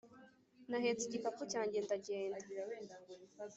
Nahetse igikapu cyanjye ndagenda